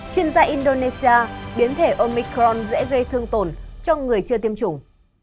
chuyên gia indonesia biến thể omicron dễ gây thương tổn cho người chưa tiêm chủng